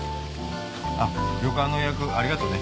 あっ旅館の予約ありがとね。